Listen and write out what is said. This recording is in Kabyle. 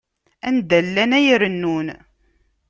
Anda llan, ay rennun.